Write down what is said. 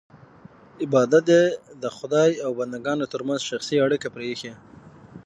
عبادت یې د خدای او بندګانو ترمنځ شخصي اړیکه پرېښی.